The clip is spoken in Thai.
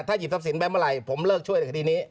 ถ้าหยิบทรัพย์ศิลป์แม่เมื่อไหร่ผมเลิกช่วยแค่ทีนี้